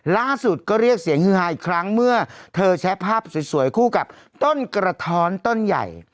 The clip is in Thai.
ล่าสุดก็เรียกเสียงฮือฮาอีกครั้งเมื่อเธอแชะภาพสวยคู่กับต้นกระท้อนต้นใหญ่